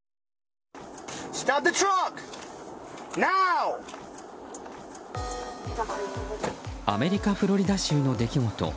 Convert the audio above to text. アメリカ・フロリダ州の出来事。